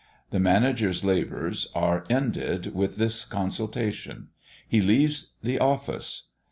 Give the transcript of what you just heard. The manager's labours are ended with this consultation; he leaves the office.